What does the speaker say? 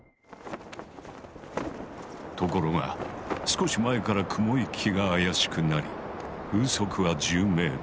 ところが少し前から雲行きが怪しくなり風速は１０ｍ。